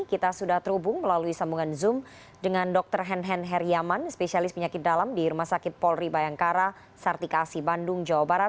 kita sudah terhubung melalui sambungan zoom dengan dr henhen heriaman spesialis penyakit dalam di rumah sakit polri bayangkara sartikasi bandung jawa barat